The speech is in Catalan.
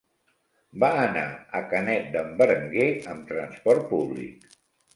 Va anar a Canet d'en Berenguer amb transport públic.